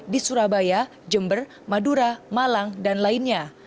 di surabaya jember madura malang dan lainnya